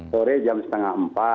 sore jam setengah empat